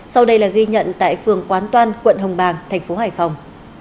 sau đây là ghi nhận tại phường quán toan quận hồng bàng thành phố hải phòng